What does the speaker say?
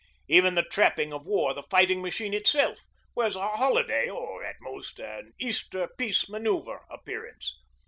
Even the trapping of war, the fighting machine itself, wears a holiday or at most an Easter peace manoeuvre appearance.